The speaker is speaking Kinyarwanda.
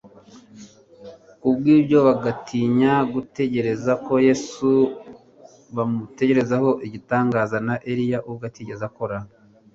kubw'ibyo bagatinya gutekereza ko Yesu bamutezeho igitangaza na Eliya ubwe atigeze akora.